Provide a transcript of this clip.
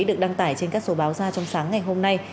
được đăng tải trên các số báo ra trong sáng ngày hôm nay